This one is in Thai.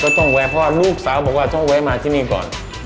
ข้าต้องไว้พอลูกสาวบอกว่าต้องไว้มาที่นี่ก่อน